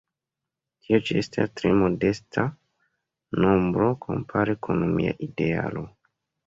Tio ĉi estas tre modesta nombro kompare kun mia idealo.